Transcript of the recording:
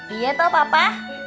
iya toh papa